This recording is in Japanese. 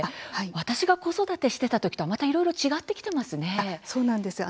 私が子育てしてたときとはまたいろいろ違ってきてますね。